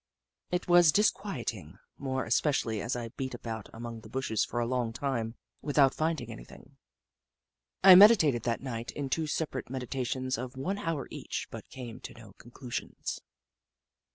It was disquiet ing, more especially as I beat about among the bushes for a long time without finding any thing. I meditated that night in two separate meditations of one hour each, but came to no conclusions.